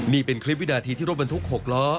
นี่เป็นคลิปวินาทีที่รถบรรทุก๖ล้อ